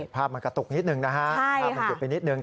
ผมทำกระตุกนิดหนึ่งภาพเก็บไปนิดหนึ่ง